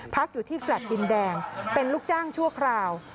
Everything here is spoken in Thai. พักอยู่ที่แฟลต์ดินแดงเป็นลูกจ้างชั่วคราว